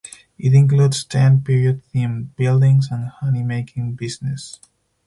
It includes ten period themed buildings and honey making business.